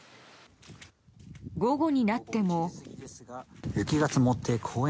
午後になっても。